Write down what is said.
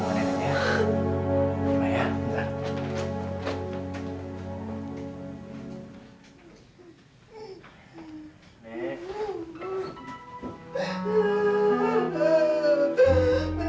mendingan aku mati aja